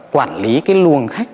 quản lý cái luồng khách